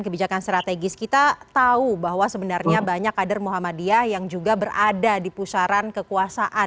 kebijakan strategis kita tahu bahwa sebenarnya banyak kader muhammadiyah yang juga berada di pusaran kekuasaan